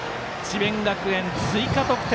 智弁学園、追加得点。